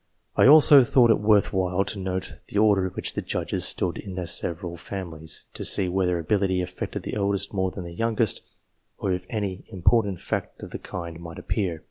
I also thought it worth while to note the order in which the Judges stood in their several families, to see whether ability affected the eldest more than the youngest, or if any important fact of the kind might appear.